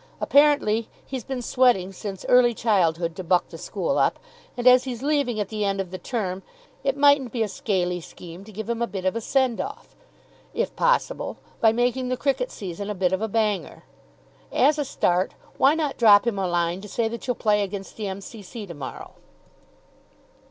Apparently he's been sweating since early childhood to buck the school up. And as he's leaving at the end of the term, it mightn't be a scaly scheme to give him a bit of a send off, if possible, by making the cricket season a bit of a banger. As a start, why not drop him a line to say that you'll play against the M.C.C. to morrow?"